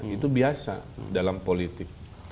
itu biasa dalam politik